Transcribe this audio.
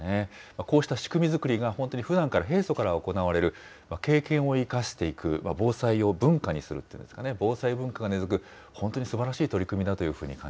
こうした仕組み作りが本当にふだんから、平素から行われる経験を生かしていく、防災を文化にするっていうんですかね、防災文化が根づく、本当にすばらしい取り組